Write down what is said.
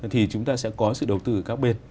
thì chúng ta sẽ có sự đầu tư từ các bên